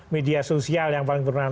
media sosial yang paling bernama